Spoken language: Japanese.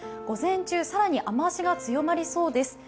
午前中、更に雨足が強まりそうです